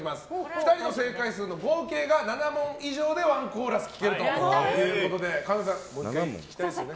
２人の正解数が７問以上でワンコーラス聴けるということで神田さん、もう１回聴きたいですよね。